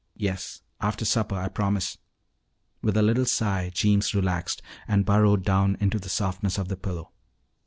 "Yes; after supper. I promise." With a little sigh Jeems relaxed and burrowed down into the softness of the pillow.